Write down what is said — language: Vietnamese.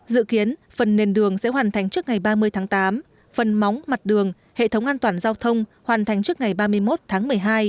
dự kiến phần nền đường sẽ hoàn thành trước ngày ba mươi tháng tám phần móng mặt đường hệ thống an toàn giao thông hoàn thành trước ngày ba mươi một tháng một mươi hai